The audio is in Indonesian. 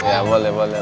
ya boleh boleh